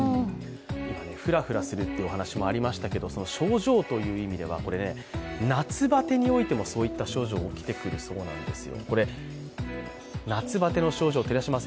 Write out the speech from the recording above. フラフラするというお話もありましたけれども、症状という意味では夏バテにおいてもそういった症状起きてくるそうなんですよ。